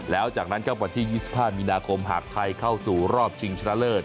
แล้วจากนั้นครับวันที่๒๕มีนาคมหากไทยเข้าสู่รอบชิงชนะเลิศ